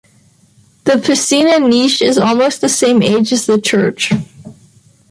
The piscina niche is almost the same age as the church.